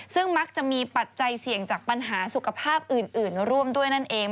ซึ่งมักจะมีปัจจัยเสี่ยงจากปัญหาสุขภาพอื่นร่วมด้วยนั่นเอง